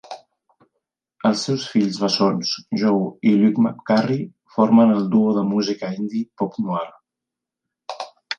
Els seus fills bessons, Joe i Luke McGarry, formen el duo de música indie Pop Noir.